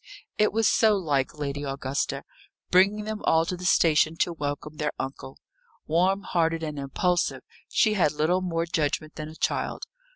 It was so like Lady Augusta bringing them all to the station to welcome their uncle! Warm hearted and impulsive, she had little more judgment than a child.